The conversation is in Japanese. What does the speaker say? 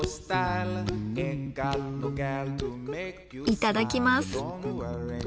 いただきます。